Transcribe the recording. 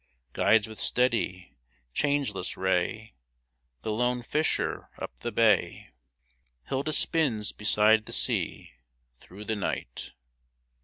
Guides with steady, changeless ray The lone fisher up the bay, Hilda spins beside the sea, Through the night